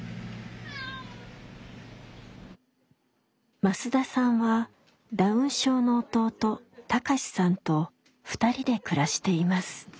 増田さんはダウン症の弟貴志さんと２人で暮らしています。